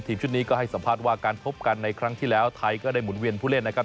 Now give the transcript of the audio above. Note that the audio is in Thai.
ชุดนี้ก็ให้สัมภาษณ์ว่าการพบกันในครั้งที่แล้วไทยก็ได้หมุนเวียนผู้เล่นนะครับ